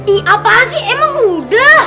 ih apa sih emang udah